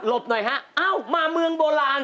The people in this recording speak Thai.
บหน่อยฮะเอ้ามาเมืองโบราณ